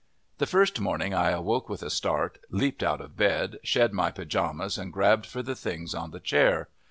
The first morning I awoke with a start, leaped out of bed, shed my pajamas and grabbed for the things on the chair.